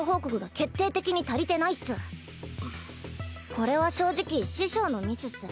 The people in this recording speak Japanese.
これは正直師匠のミスっす。